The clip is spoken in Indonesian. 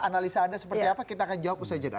analisa anda seperti apa kita akan jawab usai jeda